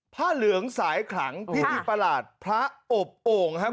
เหลืองสายขลังพิธีประหลาดพระอบโอ่งครับ